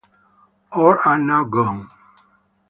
All are now gone.